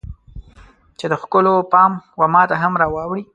چې د ښکلو پام و ماته هم راواوړي